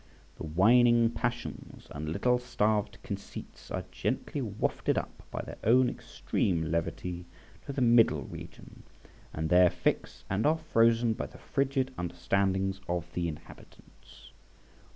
The whining passions and little starved conceits are gently wafted up by their own extreme levity to the middle region, and there fix and are frozen by the frigid understandings of the inhabitants.